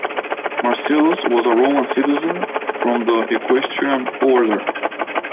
Marcellus was a Roman citizen from the Equestrian order.